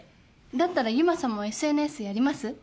だったら由真さんもＳＮＳやります？